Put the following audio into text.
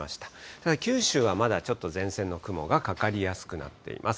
ただ、九州はまだちょっと前線の雲がかかりやすくなっています。